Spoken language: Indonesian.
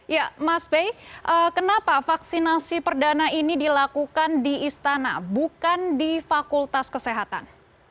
ya mas bey kenapa vaksinasi perdana ini dilakukan di istana bukan di fakultas kesehatan